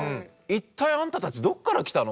一体あんたたちどっから来たの？